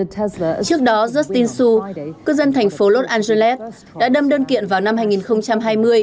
trước đó justin su cư dân thành phố los angeles đã đâm đơn kiện vào năm hai nghìn hai mươi